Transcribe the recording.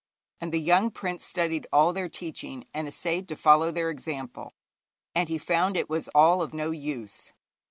And the young prince studied all their teaching, and essayed to follow their example, and he found it was all of no use.